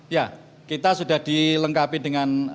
ya kita sudah dilengkapi dengan